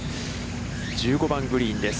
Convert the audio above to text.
１５番グリーンです。